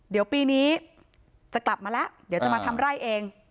เดี๋ยวปีนี้จะกลับมาแล้วเดี๋ยวจะมาทำไร่เอง